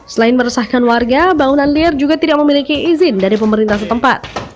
selain meresahkan warga bangunan liar juga tidak memiliki izin dari pemerintah setempat